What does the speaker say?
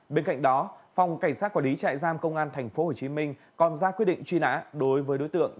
bên cạnh đó phòng cảnh sát quản lý trại giam công an tp hcm còn ra quyết định truy nã đối với đối tượng